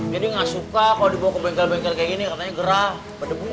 jadi gak suka kalau dibawa ke bengkel bengkel kayak gini katanya gerah berdebung